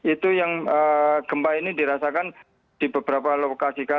itu yang gempa ini dirasakan di beberapa lokasi